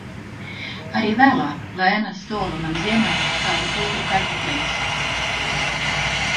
Arī vēlāk Lēna sola man ziemai kādu pūru kartupeļus.